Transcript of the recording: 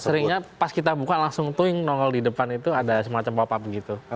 seringnya pas kita buka langsung tuing nongol di depan itu ada semacam pop up gitu